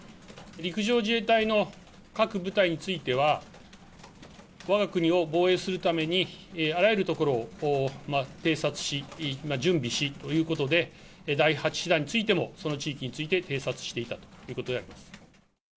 陸上自衛隊の各部隊については、わが国を防衛するために、あらゆる所を偵察し、準備しということで、第８師団についても、その地域について偵察していたということであります。